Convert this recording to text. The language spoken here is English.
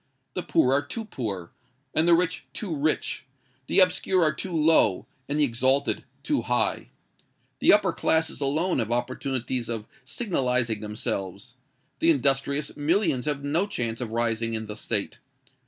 The poor are too poor, and the rich too rich: the obscure are too low, and the exalted too high. The upper classes alone have opportunities of signalising themselves: the industrious millions have no chance of rising in the State.